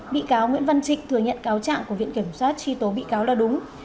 bị cáo nguyễn văn trịnh thừa nhận cáo trạng của viện kiểm soát truy tố bị cáo là đúng